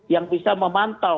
yang bisa memantau